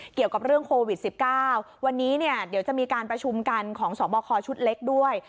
เกี่ยวกับเรื่องโควิด๑๙วันนี้เนี่ยเดี๋ยวจะมีการประชุมกันของสอบคอชุดเล็กด้วย